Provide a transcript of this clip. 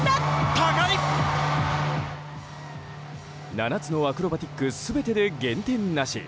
７つのアクロバティック全てで減点なし。